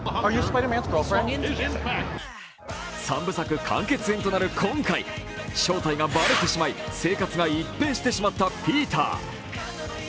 ３部作完結編となる今回、正体がばれてしまい生活が一変してしまったピーター。